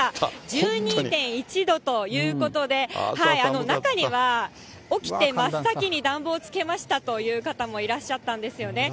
１２．１度ということで、中には、起きて真っ先に暖房をつけましたという方もいらっしゃったんですよね。